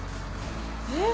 えっ？